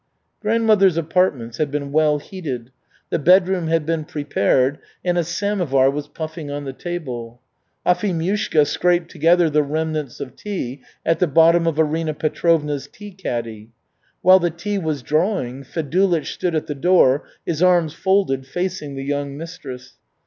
Grandmother's apartments had been well heated. The bedroom had been prepared, and a samovar was puffing on the table. Afimyushka scraped together the remnants of tea at the bottom of Arina Petrovna's tea caddy. While the tea was drawing, Fedulych stood at the door, his arms folded, facing the young mistress.